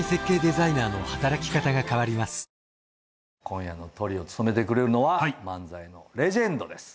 今夜のトリを務めてくれるのは漫才のレジェンド。